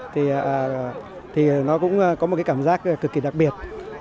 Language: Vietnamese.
thì nó cũng có một cái cảm giác cực kỳ đặc biệt